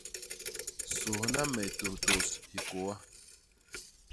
Sôhna me tôhtôs hikôa.